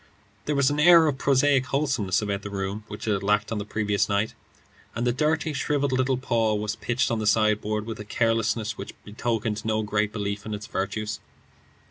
There was an air of prosaic wholesomeness about the room which it had lacked on the previous night, and the dirty, shrivelled little paw was pitched on the sideboard with a carelessness which betokened no great belief in its virtues.